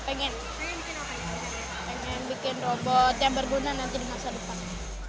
pengen bikin robot yang berguna nanti di masa depan